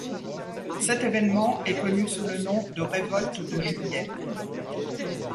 Cet événement est connu sous le nom de révolte de Juillet.